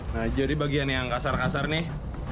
nah jadi bagian yang kasar kasar nih